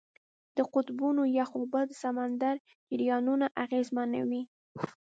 د قطبونو یخ اوبه د سمندر جریانونه اغېزمنوي.